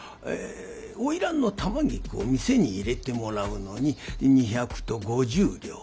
花魁の玉菊を見世に入れてもらうのに二百と五十両。